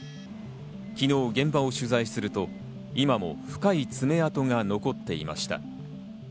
昨日現場を取材すると、今も深い爪痕が残っていました。